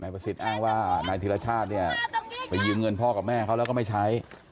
ประสิทธิ์อ้างว่านายธิรชาติเนี่ยไปยืมเงินพ่อกับแม่เขาแล้วก็ไม่ใช้